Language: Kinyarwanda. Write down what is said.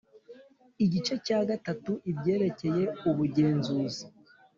Igice cya gatatu ibyerekeye Ubugenzuzi